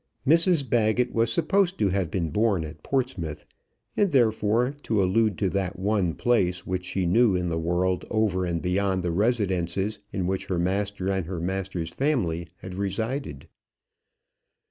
Mrs Baggett was supposed to have been born at Portsmouth, and, therefore, to allude to that one place which she knew in the world over and beyond the residences in which her master and her master's family had resided.